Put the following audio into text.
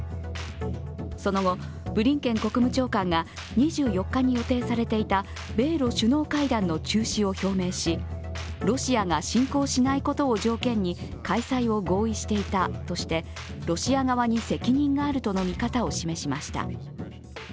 その後、ブリンケン国務長官が２４日に予定されていた米ロ首脳会談の中止を表明し、ロシアが侵攻しないことを条件に開催を合意していたとしてロシア側に責任があるとの見方を示しました。